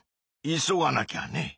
急がなきゃね！